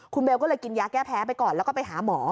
คุณเบลก็เลยกินยาแก้แพ้ไปก่อนแล้วก็ไปหาหมอ